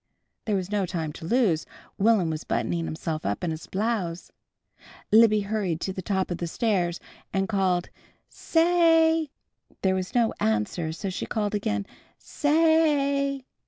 There was no time to lose. Will'm was buttoning himself up in his blouse. Libby hurried to the top of the stairs and called: "Sa ay!" There was no answer, so she called again, "Sa ay!"